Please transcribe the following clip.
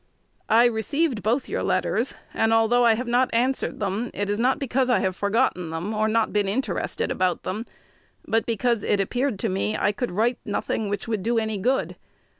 I received both your letters; and, although I have not answered them, it is not because I have forgotten them, or not been interested about them, but because it appeared to me I could write nothing which could do any good.